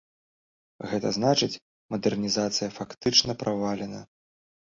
Гэта значыць, мадэрнізацыя фактычна правалена.